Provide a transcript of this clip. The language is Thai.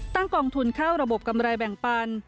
กองทุนเข้าระบบกำไรแบ่งปัน